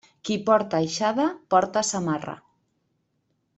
Qui porta aixada porta samarra.